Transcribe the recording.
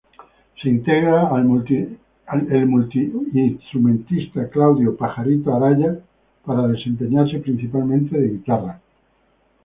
Se integra el multi-instrumentista Claudio "Pajarito" Araya, para desempeñarse principalmente de guitarras.